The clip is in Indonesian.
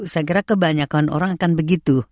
saya kira kebanyakan orang akan begitu